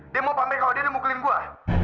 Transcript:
dia mau pamer kalo dia mukulin gua